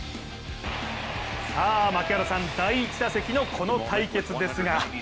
さあ槙原さん、第１打席のこの対決ですが。